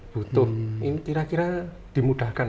butuh ini kira kira dimudahkan